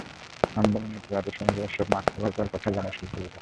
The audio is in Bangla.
আমদানি নীতি আদেশ অনুযায়ী এসব মাছ খালাস দেওয়ার কথা জানায় শুল্ক বিভাগ।